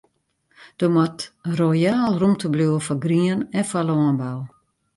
Der moat royaal rûmte bliuwe foar grien en foar lânbou.